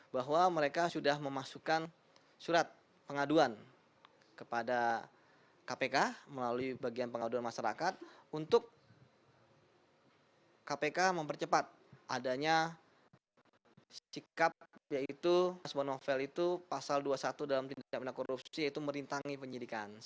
bahwa mereka sudah memasukkan surat pengaduan kepada kpk melalui bagian pengaduan masyarakat untuk kpk mempercepat adanya sikap yaitu pasal dua puluh satu dalam tindakan korupsi yaitu merintangi penyidikan